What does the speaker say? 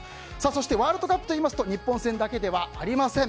そしてワールドカップといいますと日本戦だけではありません。